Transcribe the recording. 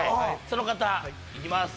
その方いきます